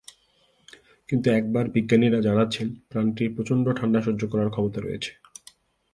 কিন্তু এবার বিজ্ঞানীরা জানাচ্ছেন, প্রাণীটির প্রচণ্ড ঠান্ডা সহ্য করার ক্ষমতা রয়েছে।